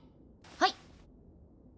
はい。